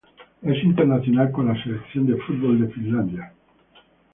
Es internacional con la selección de fútbol de Finlandia.